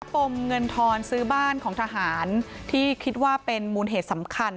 ปมเงินทอนซื้อบ้านของทหารที่คิดว่าเป็นมูลเหตุสำคัญ